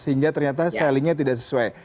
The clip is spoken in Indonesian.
sehingga ternyata sellingnya tidak sesuai